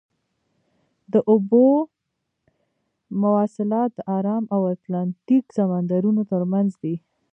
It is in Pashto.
د اوبو مواصلات د ارام او اتلانتیک سمندرونو ترمنځ دي.